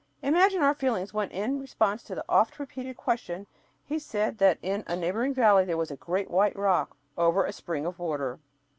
Imagine our feelings when in response to the oft repeated question he said that in a neighboring valley there was a great white rock over a spring of water!